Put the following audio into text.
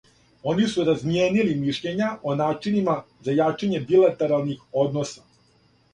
Они су размијенили мишљења о начинима за јачање билатералних односа.